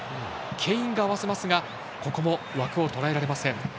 ケインが合わせますがここも枠をとらえられません。